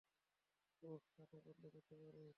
উহ, কাঠে বদলে দিতে পারি।